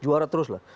juara terus lah